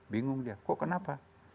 bingung dia kok kenapa